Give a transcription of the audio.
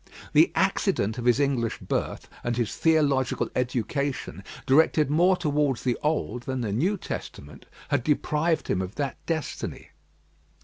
The accident of his English birth and his theological education, directed more towards the Old than the New Testament, had deprived him of that destiny.